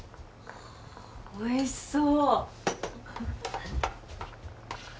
おいしそう。